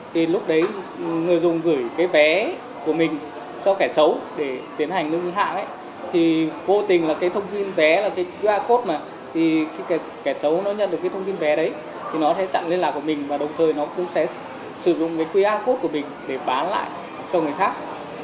thì nó sẽ chặn liên lạc với mình và đồng thời nó cũng sẽ sử dụng cái qr code của mình để bán lại cho người khác